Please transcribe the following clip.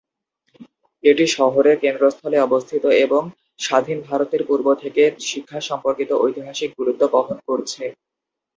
এটি শহরের কেন্দ্রস্থলে অবস্থিত এবং স্বাধীন ভারতের পূর্ব থেকে শিক্ষা সম্পর্কিত ঐতিহাসিক গুরুত্ব বহন করছে।